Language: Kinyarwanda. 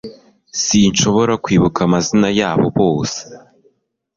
Sinshobora kwibuka amazina yabo yose